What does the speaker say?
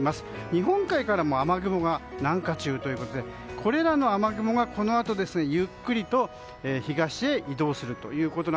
日本海からも雨雲が南下中ということでこれらの雨雲がこのあとゆっくりと東へ移動します。